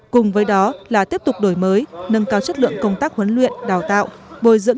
cùng với đó là tiếp tục đổi mới nâng cao chất lượng công tác huấn luyện đào tạo bồi dưỡng